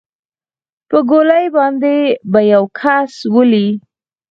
په ګولۍ باندې به يو كس ولې.